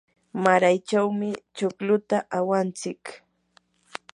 maraychawmi chukluta aqantsik.